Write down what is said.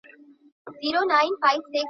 پښتو ژبه تحرک لري.